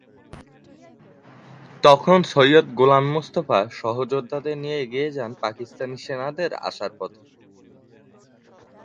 তখন সৈয়দ গোলাম মোস্তফা সহযোদ্ধাদের নিয়ে এগিয়ে যান পাকিস্তানি সেনাদের আসার পথে।